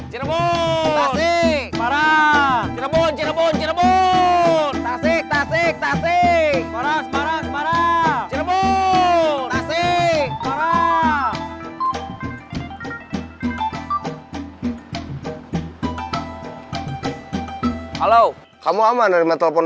jangan lupa like share dan subscribe channel ini